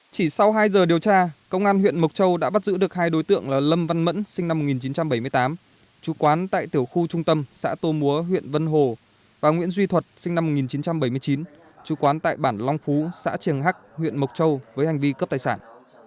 chỉ sau hai giờ điều tra công an huyện mộc châu đã bắt giữ được hai đối tượng là lâm văn mẫn sinh năm một nghìn chín trăm bảy mươi tám chú quán tại tiểu khu trung tâm xã tô múa huyện vân hồ và nguyễn duy thuật sinh năm một nghìn chín trăm bảy mươi chín chú quán tại bản long phú xã triềng hắc huyện mộc châu với hành vi cướp tài sản